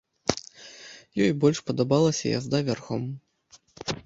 Ёй больш падабалася язда вярхом.